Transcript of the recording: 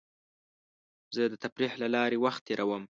زه د تفریح له لارې وخت تېرووم.